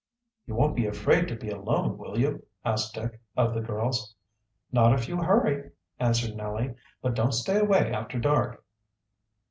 "You won't be afraid to be alone, will you?" asked Dick, of the girls. "Not if you hurry," answered Nellie. "But don't stay away after dark."